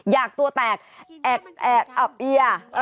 อยากตัวแตกแอกแอกอับเบียร์